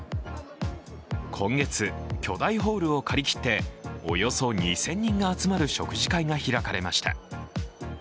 今月、巨大ホールを借り切っておよそ２０００人が集まる食事会が開かれました。